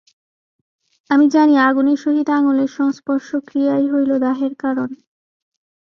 আমি জানি আগুনের সহিত আঙুলের সংস্পর্শ-ক্রিয়াই হইল দাহের কারণ।